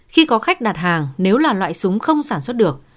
khi có khách đặt hàng nếu là loại súng không sản xuất được